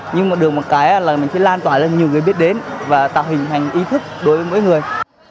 nhưng mà được một cái là mình sẽ lan tỏa lên nhiều người biết đến và tạo hình thành ý thức đối với mỗi người